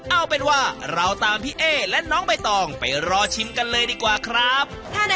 เอาเป็นว่าเราตามพี่เอ๊และน้องใบตองไปรอชิมกันเลยดีกว่าครับ